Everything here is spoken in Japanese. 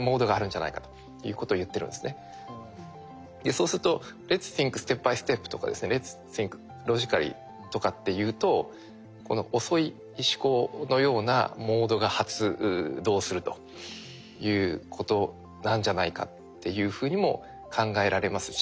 そうすると「Ｌｅｔ’ｓｔｈｉｎｋｓｔｅｐｂｙｓｔｅｐ」とかですね「Ｌｅｔ’ｓｔｈｉｎｋｌｏｇｉｃａｌｌｙ」とかっていうとこの遅い思考のようなモードが発動するということなんじゃないかっていうふうにも考えられますし。